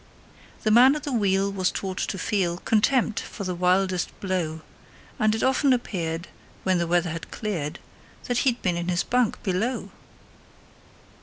The man at the wheel was taught to feel Contempt for the wildest blow, And it often appeared, when the weather had cleared, That he'd been in his bunk below.